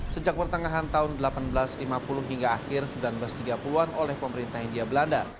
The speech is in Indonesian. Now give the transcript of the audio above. sejak pertengahan tahun seribu delapan ratus lima puluh hingga akhir seribu sembilan ratus tiga puluh an oleh pemerintah india belanda